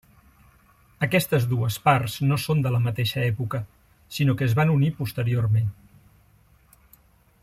Aquestes dues parts no són de la mateixa època sinó que es van unir posteriorment.